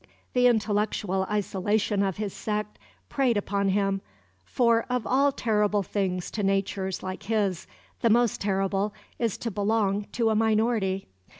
The intellectual isolation of his sect preyed upon him; for, of all terrible things to natures like his, the most terrible is to belong to a minority.